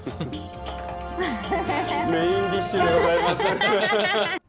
メインディッシュでございます。